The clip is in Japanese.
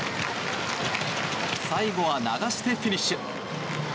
最後は流してフィニッシュ。